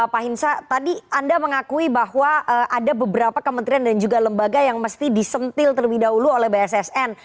pak hinsa tadi anda mengakui bahwa ada beberapa kementerian dan juga lembaga yang mesti disentil terlebih dahulu oleh bssn